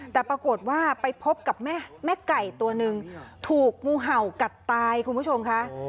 แต่ปรากฏว่าไปพบกับแม่ไก่ตัวหนึ่งถูกงูเห่ากัดตายคุณผู้ชมค่ะ